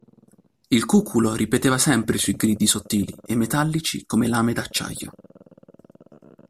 Il cuculo ripeteva sempre i suoi gridi sottili e metallici come lame d'acciaio.